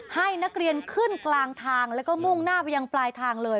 ให้นักเรียนขึ้นกลางทางแล้วก็มุ่งหน้าไปยังปลายทางเลย